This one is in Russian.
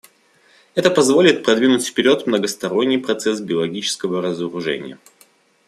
Это позволит продвинуть вперед многосторонний процесс биологического разоружения.